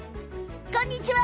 こんにちは！